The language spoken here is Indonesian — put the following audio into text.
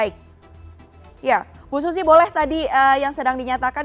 khususi boleh tadi yang sedang dinyatakan